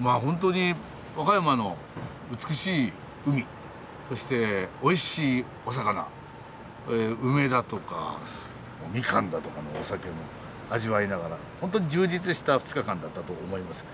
まあホントに和歌山の美しい海そしておいしいお魚梅だとかみかんだとかのお酒も味わいながらホントに充実した２日間だったと思います。